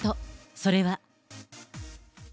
それは。